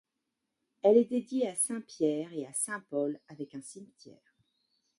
Elle est dédiée à saint Pierre et à saint Paul avec un cimetière.